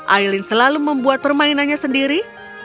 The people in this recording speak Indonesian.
aileen selalu membuat permainannya sendiri